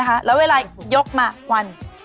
เก้า